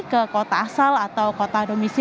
ke kota asal atau kota domisi